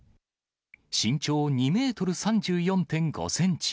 身長２メートル３４．５センチ。